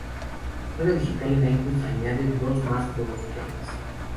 La descarga digital en iTunes añade dos más bonus tracks.